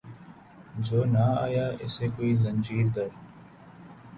جو نہ آیا اسے کوئی زنجیر در